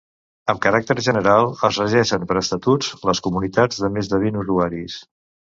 Amb caràcter general, es regeixen per Estatuts les comunitats de més de vint usuaris.